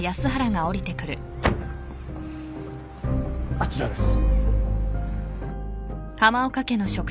あちらです。